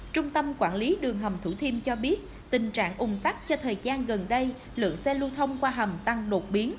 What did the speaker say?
trung tâm quản lý đường hầm thủ thiêm cho biết tình trạng ùn tắt cho thời gian gần đây lượng xe lưu thông qua hầm tăng nột biến